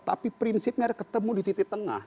tapi prinsipnya ketemu di titik tengah